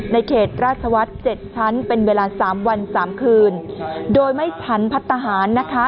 ในเขตราชวัฒน์เจ็ดชั้นเป็นเวลาสามวันสามคืนโดยไม่พันพัฒนาหารนะคะ